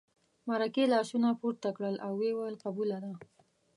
مرکې لاسونه پورته کړل او ویې ویل قبوله ده.